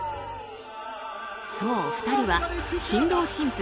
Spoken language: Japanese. そう、２人は新郎新婦。